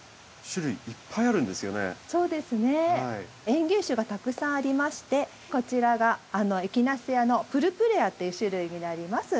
園芸種がたくさんありましてこちらがエキナセアのプルプレアっていう種類になります。